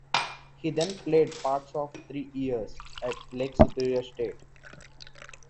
He then played parts of three years at Lake Superior State.